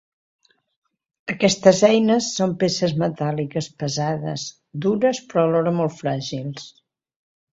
Aquestes eines són peces metàl·liques pesades, dures però alhora molt fràgils.